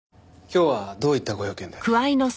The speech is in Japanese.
今日はどういったご用件で？